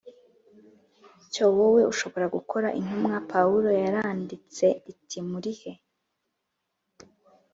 cyo wowe ushobora gukora Intumwa Pawulo yaranditse ati murihe